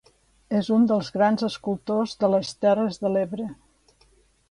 És un dels grans escultors de les Terres de l'Ebre.